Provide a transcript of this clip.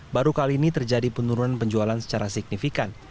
baru kali ini terjadi penurunan penjualan secara signifikan